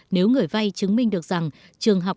nếu người vay chứng minh được rằng trường học